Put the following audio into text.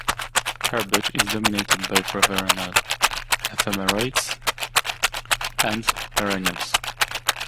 Herbage is dominated by prevernal ephemeroids and perennials.